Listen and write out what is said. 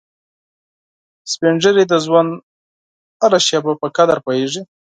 سپین ږیری د ژوند هره شېبه په قدر پوهیږي